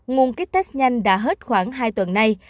nguồn kích tết nhanh đã hết khoảng hai tuần nay